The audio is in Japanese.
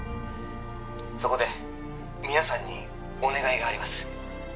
そこで皆さんにお願いがあります